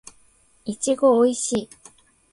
いちごおいしい